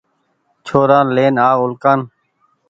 ڇورآن لين آو اُلڪآن